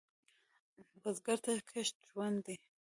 بزګر ته کښت ژوند دی